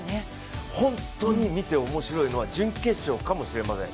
本当に見ておもしろいのは準決勝かもしれません。